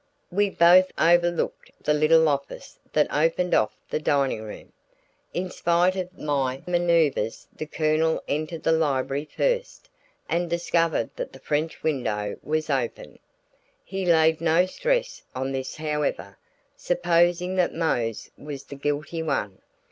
We both overlooked the little office that opened off the dining room. In spite of my manoeuvres the Colonel entered the library first and discovered that the French window was open; he laid no stress on this however, supposing that Mose was the guilty one.